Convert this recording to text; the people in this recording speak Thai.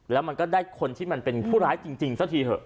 แล้วมันก็ได้คนที่มันเป็นผู้ร้ายจริงซะทีเถอะ